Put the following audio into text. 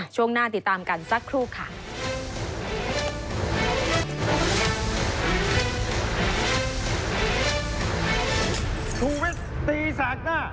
ช่วงหน้าติดตามกันสักครู่ค่ะ